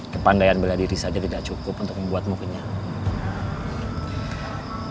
kepandayan belah diri saja tidak cukup untuk membuatmu kenyang